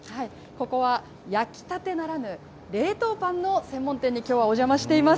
ここは、焼きたてならぬ、冷凍パンの専門店に、きょうはお邪魔しています。